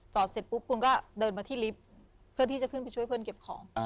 เสร็จปุ๊บคุณก็เดินมาที่ลิฟท์เพื่อที่จะขึ้นไปช่วยเพื่อนเก็บของ